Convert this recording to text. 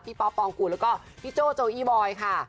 ป๊อปปองกูลแล้วก็พี่โจ้โจอี้บอยค่ะ